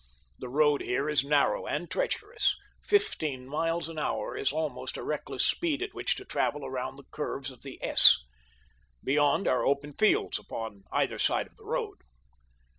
The road here is narrow and treacherous—fifteen miles an hour is almost a reckless speed at which to travel around the curves of the S. Beyond are open fields upon either side of the road.